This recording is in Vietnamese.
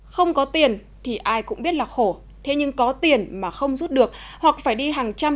không có tiền thì ai cũng biết là khổ thế nhưng có tiền mà không rút được hoặc phải đi hàng trăm